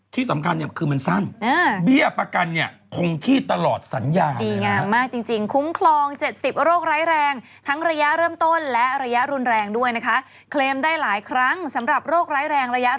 ตนเองเนี่ยก็เดินทางไปที่อำเภอกวสุมภิษัย